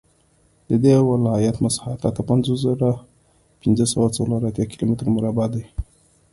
د دې ولایت مساحت اته پنځوس زره پنځه سوه څلور اتیا کیلومتره مربع دی